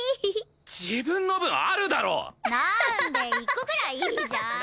１個ぐらいいいじゃん！